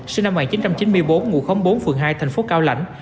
sinh năm một nghìn chín trăm chín mươi bốn ngụ bốn phường hai thành phố cao lạnh